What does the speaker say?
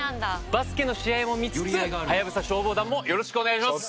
バスケの試合も見つつ『ハヤブサ消防団』もよろしくお願いします。